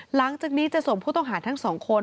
หลังจากนี้จะส่งผู้ต้องหาทั้งสองคน